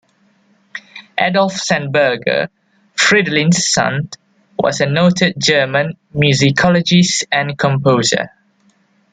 Adolf Sandberger, Fridolin's son, was a noted German musicologist and composer.